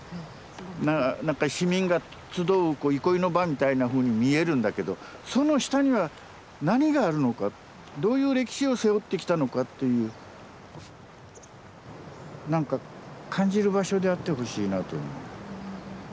なんか市民が集う憩いの場みたいなふうに見えるんだけどその下には何があるのかどういう歴史を背負ってきたのかっていうなんか感じる場所であってほしいなと思う。